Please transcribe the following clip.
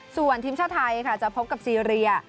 ส่วนทีมชาติไทยค่ะจะพบกับซีเรีย